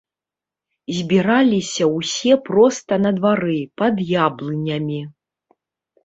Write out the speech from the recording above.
Збіраліся ўсе проста на двары, пад яблынямі.